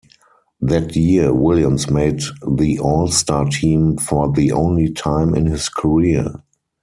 That year, Williams made the All-Star team for the only time in his career.